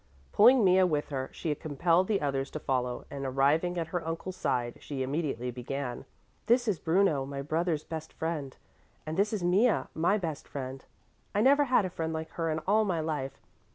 Pulling Mea with her, she compelled the others to follow, and arriving at her uncle's side, she immediately began, "This is Bruno, my brother's best friend, and this is Mea, my best friend. I never had a friend like her in all my life.